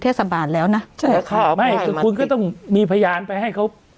เทศบาลแล้วนะใช่ค่ะไม่คุณก็ต้องมีพยานไปให้เขา